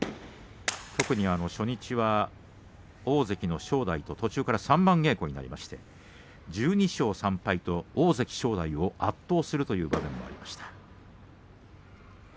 特に初日は大関の正代と途中から三番稽古になりまして１２勝３敗と大関正代を圧倒するという場面もありました。